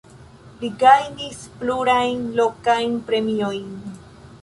Li gajnis plurajn lokajn premiojn.